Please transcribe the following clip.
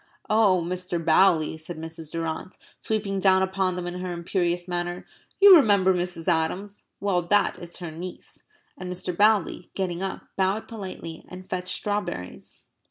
"Oh, Mr. Bowley," said Mrs. Durrant, sweeping down upon them in her imperious manner, "you remember Mrs. Adams? Well, that is her niece." And Mr. Bowley, getting up, bowed politely and fetched strawberries.